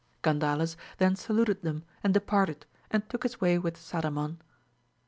Gandales then saluted them and departed, and took his way with Sadamon.